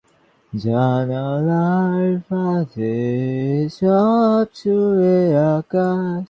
আবার কিছুদিন পরে তারাই সত্য কথা জানতে পেরে অনুতপ্ত হয়ে আমার চেলা হতে এসেছে।